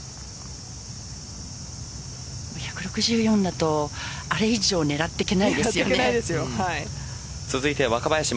１６４だと、あれ以上狙っていけないですよね。